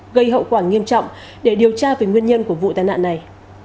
gây hậu quả nghiêm trọng để điều tra về nguyên nhân của vụ tai nạn này